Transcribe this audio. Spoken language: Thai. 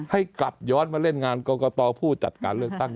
ให้กลับย้อนมาเล่นงานกรกตผู้จัดการเลือกตั้ง